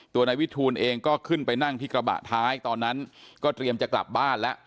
นายวิทูลเองก็ขึ้นไปนั่งที่กระบะท้ายตอนนั้นก็เตรียมจะกลับบ้านแล้ว